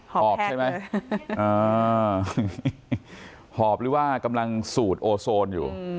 หอบใช่ไหมหอบหรือว่ากำลังสูดโอโซนอยู่